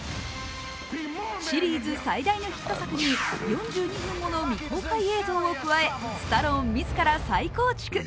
シリーズ最大のヒット作に４２分もの未公開映像を加え、スタローン自ら再構築。